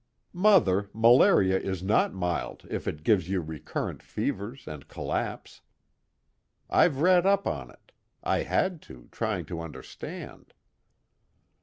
"Mother, malaria is not mild if it gives you recurrent fevers and collapse. I've read up on it. I had to, trying to understand."